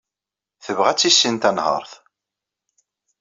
Tebɣa ad tissin tanhaṛt.